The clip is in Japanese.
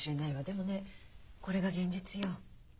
でもねこれが現実よ。